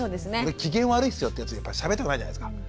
機嫌悪い人とやっぱりしゃべりたくないじゃないですか。